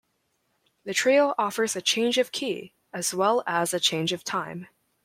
The Trio offers a change of key, as well as a change of time.